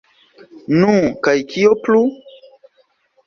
Nu, kaj kio plu?